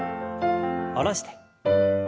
下ろして。